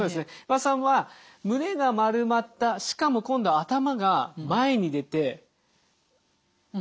岩田さんは胸が丸まったしかも今度は頭が前に出て首が上がってる。